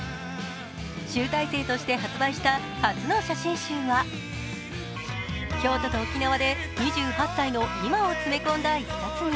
集大成として発売した初の写真集は京都と沖縄で２８歳の今を詰め込んだ一冊に。